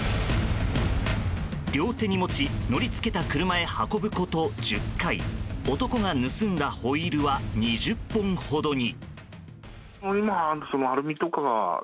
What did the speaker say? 両手に持ち乗り付けた車へ運ぶこと１０回男が盗んだホイールは２０本ほどに。